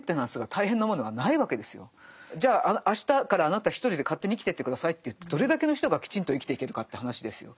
じゃああしたからあなた一人で勝手に生きてって下さいといってどれだけの人がきちんと生きていけるかって話ですよ。